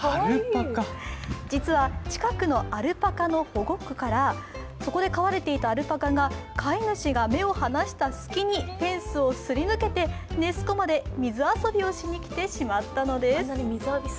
実は近くのアルパカの保護区からそこで飼われていたアルパカが飼い主が目を離した隙にフェンスをすり抜けてネス湖まで水遊びをしに来てしまったんです。